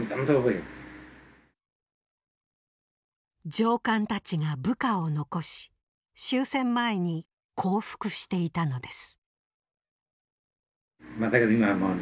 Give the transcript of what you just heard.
上官たちが部下を残し終戦前に降伏していたのです。